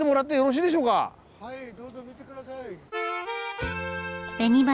はいどうぞ見て下さい。